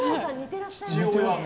父親。